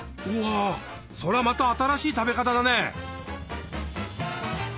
うわそれはまた新しい食べ方だね。